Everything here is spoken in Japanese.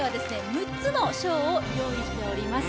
６つの賞を用意しております